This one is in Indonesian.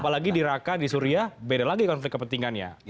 apalagi di raqqa di suria beda lagi konflik kepentingannya